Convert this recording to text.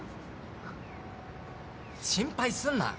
心配すんな